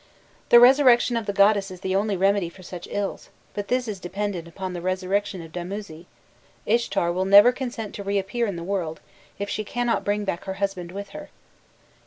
'" The resurrection of the goddess is the only remedy for such ills, but this is dependent upon the resurrection of Damuzi: Ishtar will never consent to reappear in the world, if she cannot bring back her husband with her.